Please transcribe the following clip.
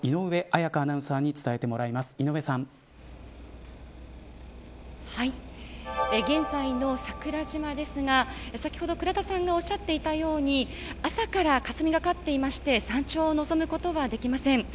はい、現在の桜島ですが先ほど倉田さんがおっしゃっていたように朝から霞がかっていまして山頂を望むことはできません。